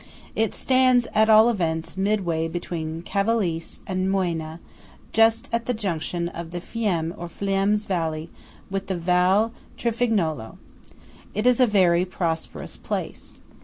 It stands, at all events, midway between Cavalese and Moena, just at the junction of the Fiemme or Fleims valley with the Val Travignolo. It is a very prosperous place.